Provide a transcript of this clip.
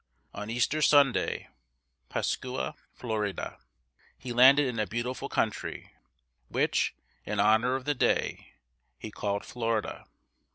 On Easter Sunday (Pascua florida), he landed in a beautiful country, which, in honor of the day, he called Florida.